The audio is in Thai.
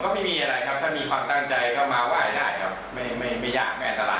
ไม่มีอะไรครับเพราะผมว่ายประจำก็ไม่มีอะไร